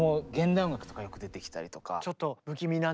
ちょっと不気味なね。